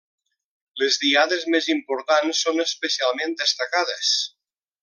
Les diades més importants són especialment destacades.